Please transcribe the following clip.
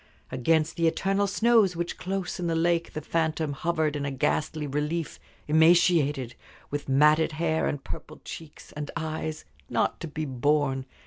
Against the eternal snows which close in the lake the phantom hovered in a ghastly relief emaciated, with matted hair, and purpled cheeks, and eyes not to be borne!